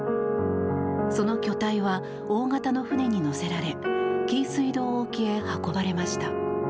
その巨体は大型の船に乗せられ紀伊水道沖へ運ばれました。